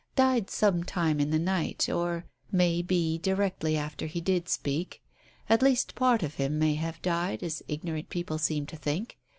Died some time in the night, or, may be, directly after he did speak. At least, part of him may have died, as ignorant people seem to think.